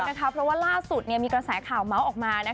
เพราะว่าล่าสุดมีกระแสข่าวเมาส์ออกมา